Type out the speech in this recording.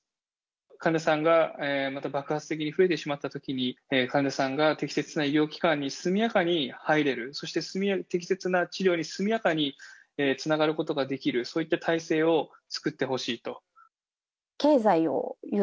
患者さんがまた爆発的に増えてしまったときに、患者さんが適切な医療機関に速やかに入れる、そして適切な治療に速やかにつながることができる、そういった体制を作ってほしいと。